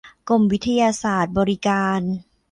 กรมวิทยาศาสตร์บริการ